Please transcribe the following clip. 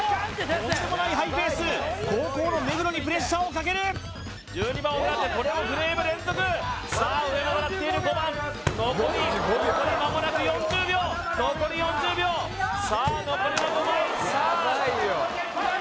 とんでもないハイペース後攻の目黒にプレッシャーをかける１２番を狙ってこれもフレーム連続さあ上狙っている５番残りまもなく４０秒残り４０秒さあ残りは５枚やばいよ